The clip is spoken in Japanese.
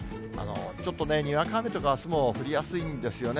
ちょっとね、にわか雨とかあすも降りやすいんですよね。